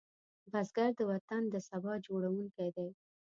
بزګر د وطن د سبا جوړوونکی دی